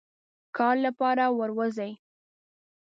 کار لپاره وروزی.